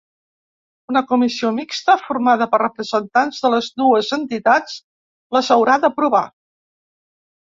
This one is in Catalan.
Una comissió mixta, formada per representants de les dues entitats, les haurà d’aprovar.